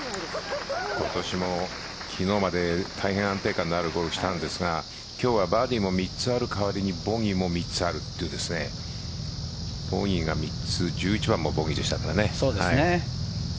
今年も昨日まで安定感のあるゴルフをしたんですが今日はバーディーも３つある代わりにボギーも３つあるというボギーが３つ１１番もボギーでしたね。